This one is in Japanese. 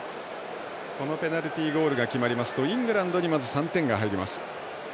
このペナルティーゴールが決まりますとイングランドにまず３点が入ります。